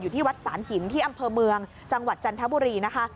ที่วัดสานหินที่อำเภอเมืองจังหวัดจันทบุรีนะคะ